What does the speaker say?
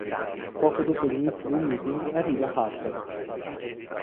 Poco dopo l’inizio del meeting arriva Harper.